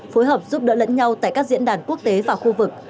phối hợp giúp đỡ lẫn nhau tại các diễn đàn quốc tế và khu vực